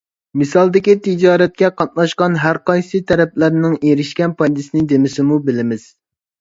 مىسالدىكى تىجارەتكە قاتناشقان ھەرقايسى تەرەپلەرنىڭ ئېرىشكەن پايدىسىنى دېمىسىمۇ بىلىمىز.